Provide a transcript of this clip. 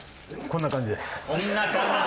こんな感じです。